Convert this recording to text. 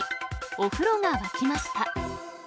お風呂が沸きました。